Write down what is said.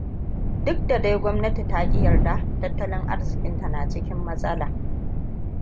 Duk da dai gwamnati ta ki yarda, tattalin arzikinta na cikin matsala.